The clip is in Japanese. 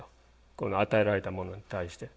この与えられたものに対して。